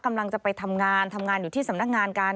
กำลังจะไปทำงานทำงานอยู่ที่สำนักงานกัน